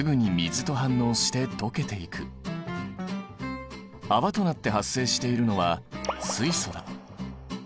泡となって発生しているのは水素だ。